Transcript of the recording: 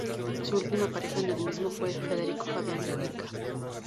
Su última pareja en el mismo fue Federico Fabián Mujica.